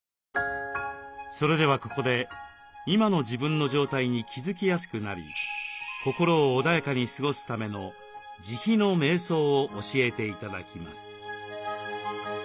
それではここで今の自分の状態に気付きやすくなり心を穏やかに過ごすための「慈悲のめい想」を教えて頂きます。